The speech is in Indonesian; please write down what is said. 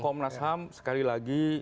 komnas ham sekali lagi